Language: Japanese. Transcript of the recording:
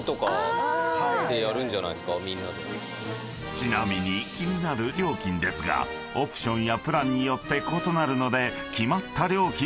［ちなみに気になる料金ですがオプションやプランによって異なるので決まった料金はありませんが］